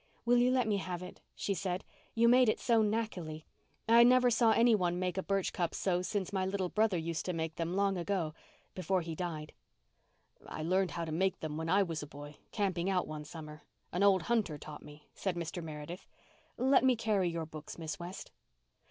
"Will you let me have it?" she said. "You made it so knackily. I never saw anyone make a birch cup so since my little brother used to make them long ago—before he died." "I learned how to make them when I was a boy, camping out one summer. An old hunter taught me," said Mr. Meredith. "Let me carry your books, Miss West."